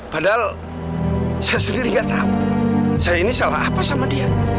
padahal saya sendiri gak tahu saya ini salah apa sama dia